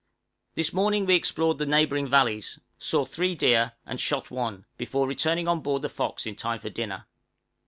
This morning we explored the neighboring valleys; saw three deer, and shot one, returning on board the 'Fox' in time for dinner.